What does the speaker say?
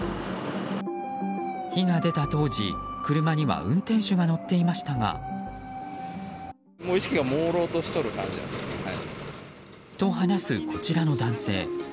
火が出た当時、車には運転手が乗っていましたが。と話す、こちらの男性。